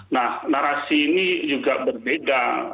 nah narasi ini juga berbeda